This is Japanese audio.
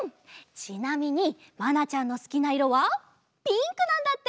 ちなみにまなちゃんのすきないろはピンクなんだって！